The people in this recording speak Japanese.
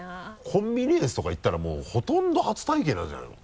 コンビニエンスとか行ったらもうほとんど初体験なんじゃないの？